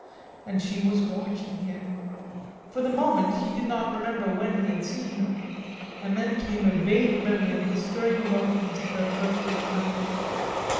And she was watching him. For the moment he did not remember when he had seen her, and then came a vague memory of the stirring emotions of their first encounter.